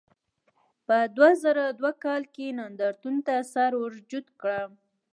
په دوه زره دوه کال کې نندارتون ته سر ورجوت کړم.